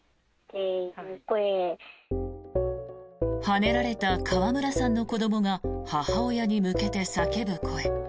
はねられた川村さんの子どもが母親に向けて叫ぶ声。